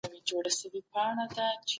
څېړونکي د غوښتنې زیاتوالی اټکلوي.